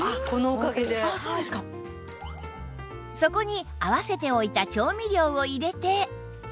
そこに合わせておいた調味料を入れて